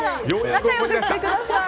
仲良くしてください。